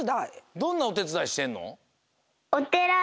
どんなおてつだいしてんの？